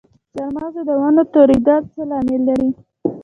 د چهارمغز د ونو توریدل څه لامل لري؟